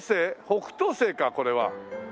北斗星かこれは。